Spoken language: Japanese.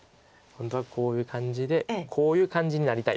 本当はこういう感じでこういう感じになりたいですよね。